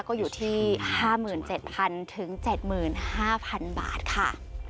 ก็อยู่ที่๕๗๐๐๗๕๐๐๐บาทค่ะ